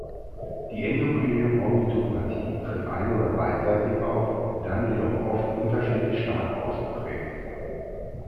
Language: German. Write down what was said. Die endokrine Orbitopathie tritt ein- oder beidseitig auf, dann jedoch oft unterschiedlich stark ausgeprägt.